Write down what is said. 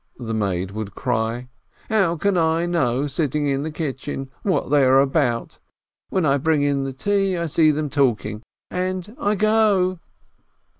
the maid would cry. "How can I know, sitting in the kitchen, what they are about? When I bring in the tea, I see them talking, and I go